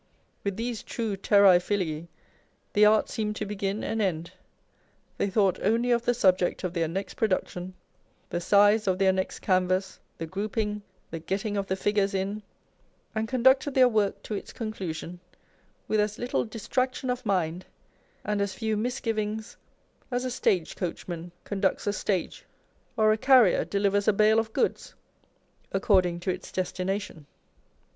With these true terrce filii the art seemed to begin and end : they thought only of the subject of their next production, the size of their next canvas, the grouping, the getting of the figures in ; and conducted their work to its conclusion with as little dis traction of mind and as few misgivings as a stage coach man conducts a stage, or a carrier delivers a bale of goods, according to its destination.